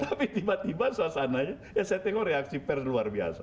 tapi tiba tiba suasananya ya saya tengok reaksi pers luar biasa